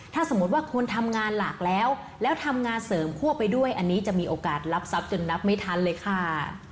ถ้าสมมุติว่าคนทำงานหลากแล้วแล้วทำงานเสริมคั่วไปด้วยอันนี้จะมีโอกาสรับทรัพย์จนนับไม่ทันเลยค่ะ